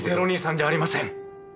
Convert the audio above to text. Ｔ０２３じゃありません！